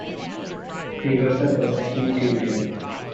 He was a Presbyterian.